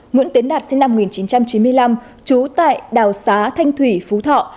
nguyễn tiến đạt sinh năm một nghìn chín trăm chín mươi năm trú tại đào xá thanh thủy phú thọ